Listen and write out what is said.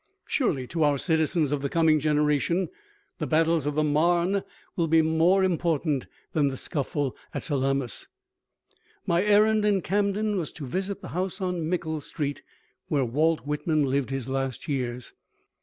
Surely to our citizens of the coming generation the battles of the Marne will be more important than the scuffle at Salamis. My errand in Camden was to visit the house on Mickle Street where Walt Whitman lived his last years.